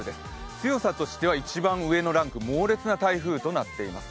強さとしては一番上のランク、猛烈な台風となっています。